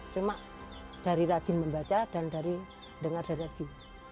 cuma dari rajin membaca dan dari dengar dari radio